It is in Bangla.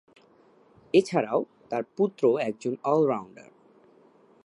এছাড়াও, তার পুত্র একজন অল-রাউন্ডার।